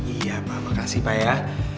iya pak makasih pak ya